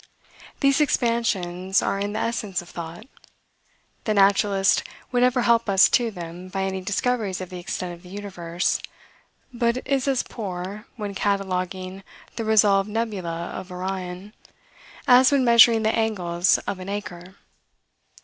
These expansions are in the essence of thought. The naturalist would never help us to them by any discoveries of the extent of the universe, but is as poor, when cataloguing the resolved nebula of Orion, as when measuring the angles of an acre.